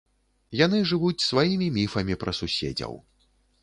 Яны жывуць сваімі міфамі пра суседзяў.